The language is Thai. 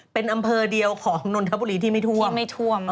เป็นอำเภอเดียวของนนทบุรีที่ไม่ท่วมไม่ท่วม